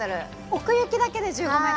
奥行きだけで１５ｍ？